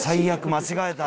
間違えた。